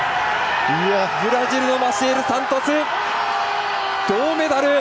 ブラジルのマシエル・サントス銅メダル！